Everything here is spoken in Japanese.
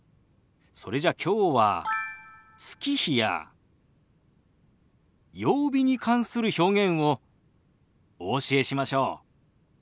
それじゃきょうは月日や曜日に関する表現をお教えしましょう。